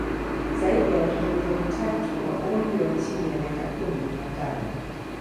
Zaidi ya watoto milioni tatu wa umri wa chini ya miaka kumi na tano